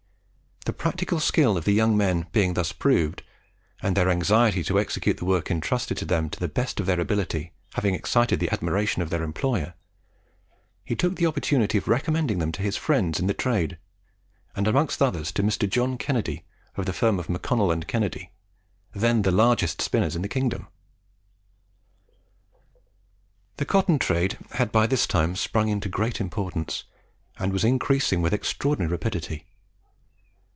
The practical skill of the young men being thus proved, and their anxiety to execute the work entrusted to them to the best of their ability having excited the admiration of their employer, he took the opportunity of recommending them to his friends in the trade, and amongst others to Mr. John Kennedy, of the firm of MacConnel and Kennedy, then the largest spinners in the kingdom. The Cotton Trade had by this time sprung into great importance, and was increasing with extraordinary rapidity.